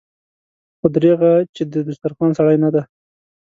خو دريغه چې د دسترخوان سړی نه دی.